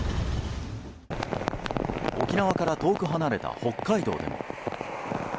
沖縄から遠く離れた北海道でも。